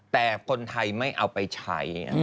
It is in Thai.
แต่คนไทยไม่เอาไปใช้